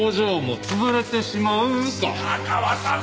白川さん